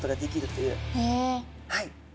はい。